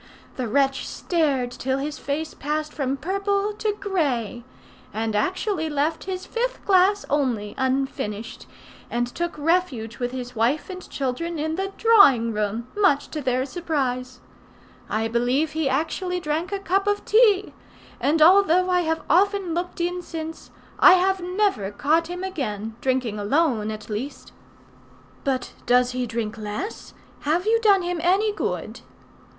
The wretch stared till his face passed from purple to grey, and actually left his fifth glass only, unfinished, and took refuge with his wife and children in the drawing room, much to their surprise. I believe he actually drank a cup of tea; and although I have often looked in since, I have never caught him again, drinking alone at least." "But does he drink less? Have you done him any good?"